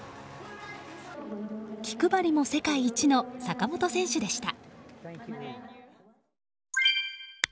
気配りも世界一の坂本選手でした。